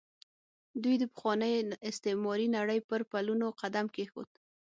دوی د پخوانۍ استعماري نړۍ پر پلونو قدم کېښود.